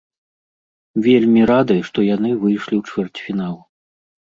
Вельмі рады, што яны выйшлі ў чвэрцьфінал.